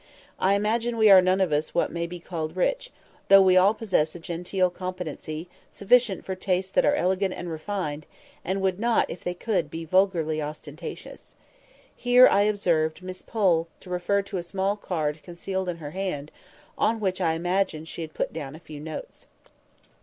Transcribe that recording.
I imagine we are none of us what may be called rich, though we all possess a genteel competency, sufficient for tastes that are elegant and refined, and would not, if they could, be vulgarly ostentatious." (Here I observed Miss Pole refer to a small card concealed in her hand, on which I imagine she had put down a few notes.)